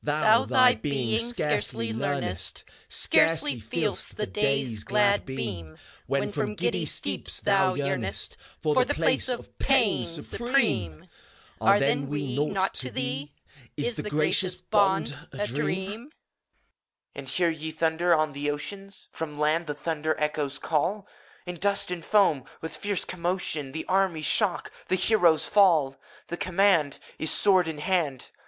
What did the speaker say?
HELENA AND FAUST. Thou thy being scarcely leamest^ Scarcely feePst the Day's glad beam, When from giddy steeps thou yeamest For the place of pain supreme! Are then we Naught to theet Is the gracious bond a dreamt EUPHORION. And hear ye thunders on the ocean f From land the thunder echoes calif In dust and foam, with fierce commotion, The armies shock, the heroes fall! The command Is, sword in hand.